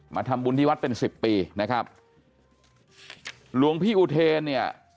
ทำบุญที่วัดเป็นสิบปีนะครับหลวงพี่อุเทนเนี่ย